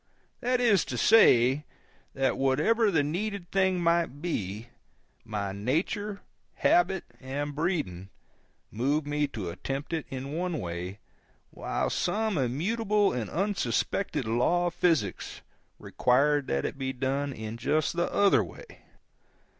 That is to say, that whatever the needed thing might be, my nature, habit, and breeding moved me to attempt it in one way, while some immutable and unsuspected law of physics required that it be done in just the other way.